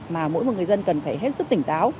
mà mỗi một người dân cần phải hết sức tỉnh táo